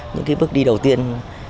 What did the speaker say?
những bước đi đầu tiên